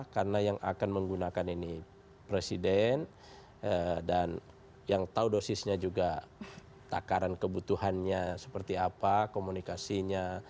karena yang akan menggunakan ini presiden dan yang tahu dosisnya juga takaran kebutuhannya seperti apa komunikasinya